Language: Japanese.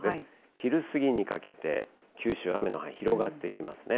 昼過ぎにかけて、九州、雨の範囲が広がってきますね。